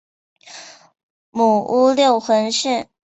母乌六浑氏。